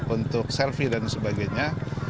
untuk selfie dan sebagainya